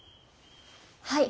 はい。